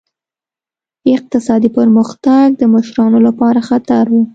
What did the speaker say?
اقتصادي پرمختګ د مشرانو لپاره خطر و.